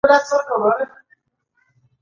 د شپې ډوډۍ سپکه وي.